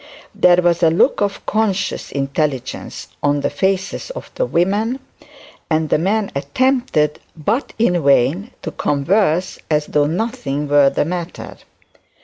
There was a look of conscious intelligence on the faces of the women; and the men attempted, but in vain, to converse as though nothing were the matter.